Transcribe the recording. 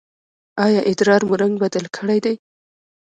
ایا ادرار مو رنګ بدل کړی دی؟